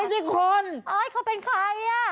ไม่ใช่คนอ้าวเขาเป็นใครอ่ะ